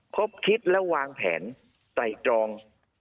ครบคิดและวางแผนไต่ตรอง